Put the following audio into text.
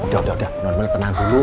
udah udah udah normal tenang dulu